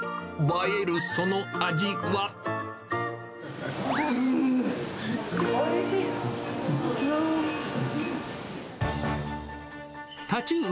映えるその味は？はうー。